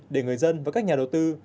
để người dân và các nhà đầu tư